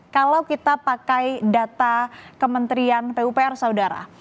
kalau kita pakai data kementerian pupr saudara